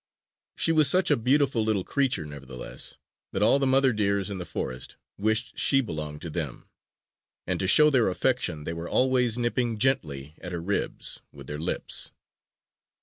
She was such a beautiful little creature, nevertheless, that all the mother deers in the forest wished she belonged to them; and to show their affection they were always nipping gently at her ribs with their lips.